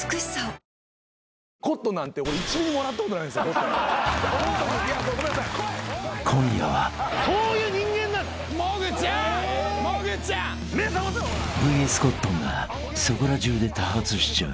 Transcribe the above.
［ＶＳコットンがそこら中で多発しちゃう］